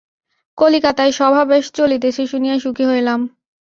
কলিকাতায় সভা বেশ চলিতেছে শুনিয়া সুখী হইলাম।